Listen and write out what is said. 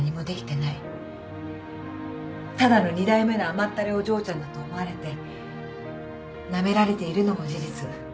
ただの二代目の甘ったれお嬢ちゃんだと思われてなめられているのも事実。